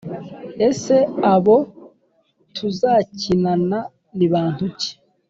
Ese abo tuzakinana ni bantu ki